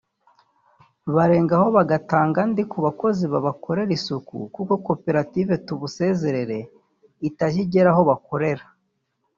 barengaho bagatanga andi ku bakozi babakorera isuku kuko koperative Tubusezerere itajya igera aho bakorera